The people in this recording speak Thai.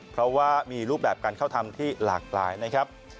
เพราะว่ามีรูปแบบการเข้าทำที่หลากหลายนะครับ